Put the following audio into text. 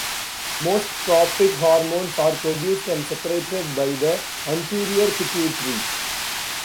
Most tropic hormones are produced and secreted by the anterior pituitary.